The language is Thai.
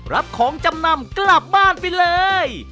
รับของจำนำกลับบ้านไปเลย